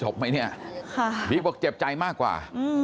เนี่ยบิ๊กบอกเจ็บใจมากกว่า